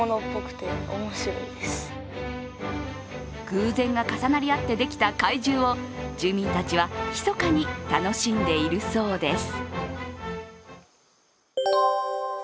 偶然が重なり合ってできた怪獣を住民たちはひそかに楽しんでいるそうです。